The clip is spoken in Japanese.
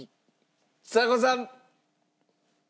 ちさ子さん。